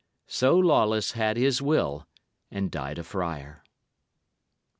So Lawless had his will, and died a friar.